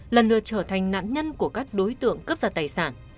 lần lượt trở thành nạn nhân của các đối tượng cướp giật tài sản